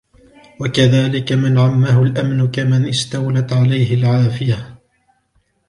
وَكَذَلِكَ مَنْ عَمَّهُ الْأَمْنُ كَمَنْ اسْتَوْلَتْ عَلَيْهِ الْعَافِيَةُ